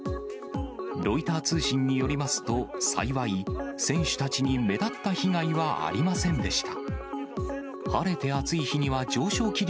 ロイター通信によりますと、幸い、選手たちに目立った被害はありませんでした。